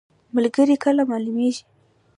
ملګری کله معلومیږي؟